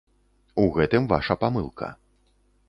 У гэтым ваша памылка.